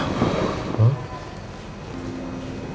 tidak ada apa